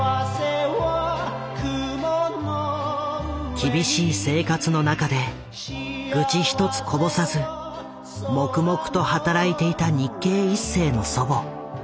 厳しい生活の中で愚痴一つこぼさず黙々と働いていた日系一世の祖母。